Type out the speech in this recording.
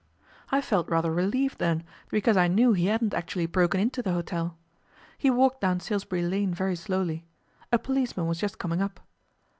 I felt rather relieved then, because I knew he hadn't actually broken into the hotel. He walked down Salisbury Lane very slowly. A policeman was just coming up.